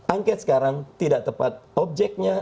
angket sekarang tidak tepat objeknya